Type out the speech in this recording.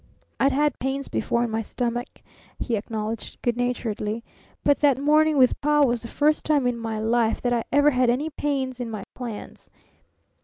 "I'd had pains before in my stomach," he acknowledged good naturedly, "but that morning with Pa was the first time in my life that I ever had any pain in my plans!